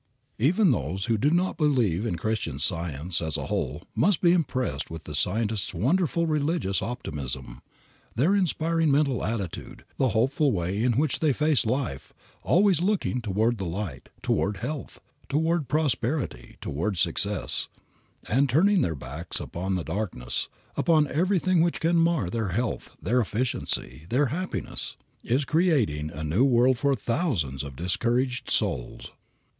Even those who do not believe in Christian Science as a whole must be impressed with the Scientists' wonderful religious optimism. Their inspiring mental attitude, the hopeful way in which they face life, always looking toward the light, toward health, toward prosperity, toward success, and turning their backs upon the darkness, upon everything which can mar their health, their efficiency, their happiness, is creating a new world for thousands of discouraged souls.